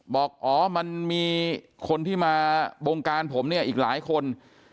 บอกอ๋อมันมีคนที่มาวงการผมเนี่ยอีกหลายคน